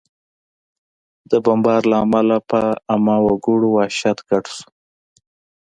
د بمبار له امله په عامه وګړو وحشت ګډ شو